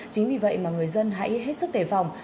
chính vì vậy mà người dân hãy hết sức đề phòng